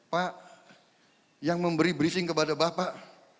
pak yang memberi briefing kepada bapak